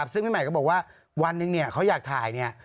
ซึ่งพี่ใหม่ก็บอกว่าวันหนึ่งเขาอยากถ่ายเนี่ย